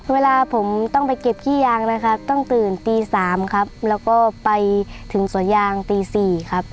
เวลาผมต้องไปเก็บขี้ยางนะครับต้องตื่นตี๓ครับแล้วก็ไปถึงสวนยางตี๔ครับ